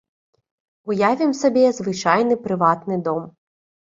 Уявім сабе звычайны прыватны дом.